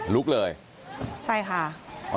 ลุกเลยใช่ค่ะ